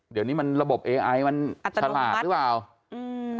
เดี๋ยวนี้มันระบบเอไอมันฉลาดหรือเปล่าอืม